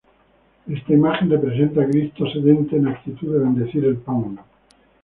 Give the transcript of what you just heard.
Esta imagen representa a Cristo sedente en actitud de bendecir el Pan.